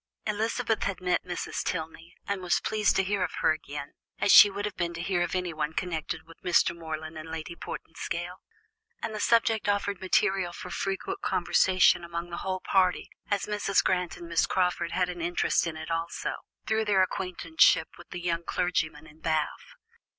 Elizabeth had met Mrs. Tilney, and was pleased to hear of her again, as she would have been to hear of anyone connected with Mr. Morland and Lady Portinscale; and the subject offered material for frequent conversation among the whole party, as Mrs. Grant and Miss Crawford had an interest in it also, through their acquaintanceship with the young clergyman in Bath.